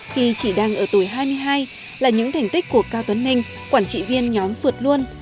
khi chỉ đang ở tuổi hai mươi hai là những thành tích của cao tuấn ninh quản trị viên nhóm phượt luôn